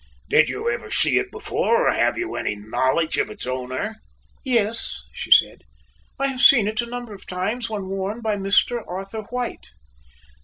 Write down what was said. "Did you ever see it before or have you any knowledge of its owner?" "Yes," she said, "I have seen it a number of times when worn by Mr. Arthur White."